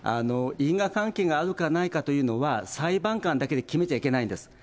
因果関係があるかないかというのは、裁判官だけで決めちゃいけないんです。